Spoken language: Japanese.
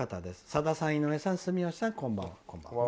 「さださん、井上さん住吉さん、こんばんは。